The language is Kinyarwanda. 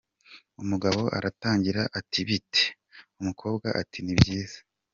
Umugabo aratangira ati bite? Umukobwa ati ni byiza.